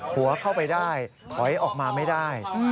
หัวเข้าไปได้ถอยออกมาไม่ได้